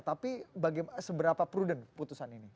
tapi seberapa prudent putusan ini